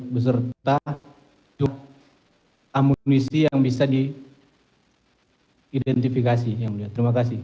beserta amunisi yang bisa diidentifikasi yang mulia terima kasih